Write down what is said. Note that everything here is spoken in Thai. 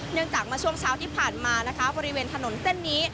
เนื่องจากมาช่วงเช้าที่ผ่านมาบริเวณถนนเส้นนี้